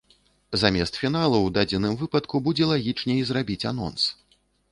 Замест фіналу ў дадзеным выпадку будзе лагічней зрабіць анонс.